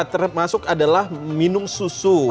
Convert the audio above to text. yang pertama yang masuk adalah minum susu